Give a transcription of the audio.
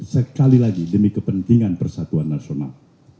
sekali lagi demi kepentingan persatuan nasional